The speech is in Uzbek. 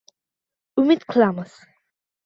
Umid qilamiz